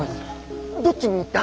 どっちに行った？